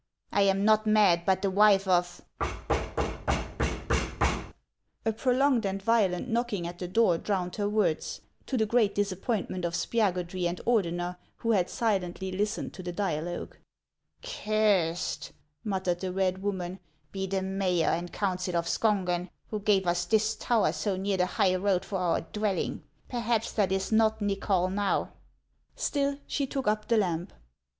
I am not mad, but the wife of — A prolonged and violent knocking at the door drowned her words, to the great disappointment of Spiagudry and Ordener, who had silently listened to the dialogue. " Cursed," muttered the red woman, " be the mayor and council of Skongen, who gave us this tower so near the high road for our dwelling ! Perhaps that is not Nychol, now." Still, she took up the lamp.